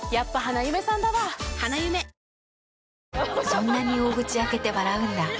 そんなに大口開けて笑うんだ。